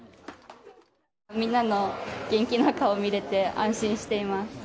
みんなの元気な顔見れて、安心しています。